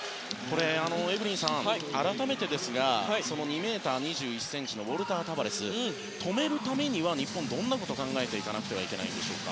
エブリンさん、改めてですが２ｍ２１ｃｍのウォルター・タバレス止めるためには日本はどんなことを考えていかなくてはいけないでしょうか。